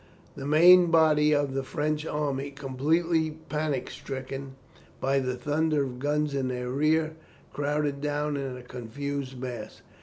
The main body of the French army, completely panic stricken by the thunder of guns in their rear, crowded down in a confused mass.